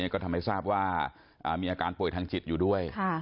ก็ทำให้ทราบว่ามีอาการป่วยทางจิตอยู่ด้วย